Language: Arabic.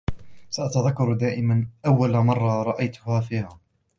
سأتذكر دائما أول مرة رأيتها فيها.